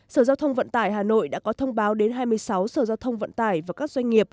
sở giao thông vận tải hà nội đã có thông báo đến hai mươi sáu sở giao thông vận tải và các doanh nghiệp